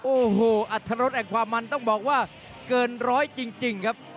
โอ้โหอัตรรสแห่งความมันต้องบอกว่าเกินร้อยจริงครับ